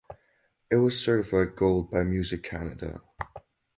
It was certified Gold by Music Canada.